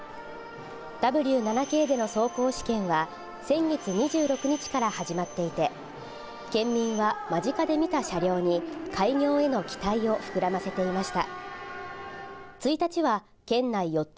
Ｗ７系での走行試験は、先月２６日から始まっていて、県民は間近で見た車両に開業への期待を膨らませていました。